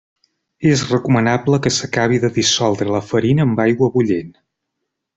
És recomanable que s'acabi de dissoldre la farina amb aigua bullent.